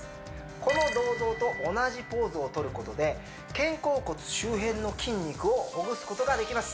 この銅像と同じポーズをとることで肩甲骨周辺の筋肉をほぐすことができます